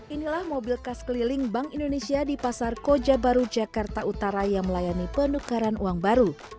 inilah mobil khas keliling bank indonesia di pasar koja baru jakarta utara yang melayani penukaran uang baru